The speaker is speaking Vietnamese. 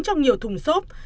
trong nhiều thùng xốp